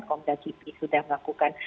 komda gp sudah melakukan